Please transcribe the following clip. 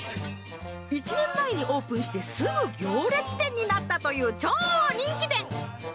１年前にオープンしてすぐ行列店になったという超人気店。